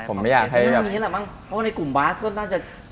เรื่องนี้แหละมั้งเพราะว่าในกลุ่มบาสก็น่าจะ